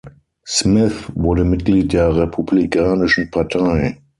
Smith wurde Mitglied der Republikanischen Partei.